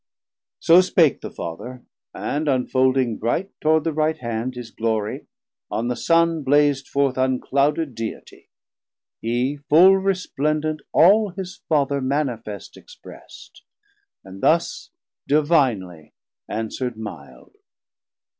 So spake the Father, and unfoulding bright Toward the right hand his Glorie, on the Son Blaz'd forth unclouded Deitie; he full Resplendent all his Father manifest Express'd, and thus divinely answer'd milde.